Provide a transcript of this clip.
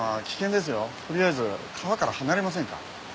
とりあえず川から離れませんか？